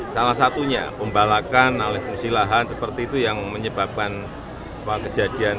salah satunya pembalakan alih fungsi lahan seperti itu yang menyebabkan kejadian